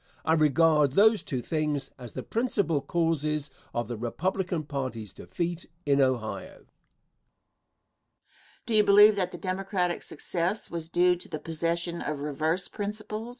I regard those two things as the principal causes of the Republican party's defeat in Ohio. Question. Do you believe that the Democratic success was due to the possession of reverse principles?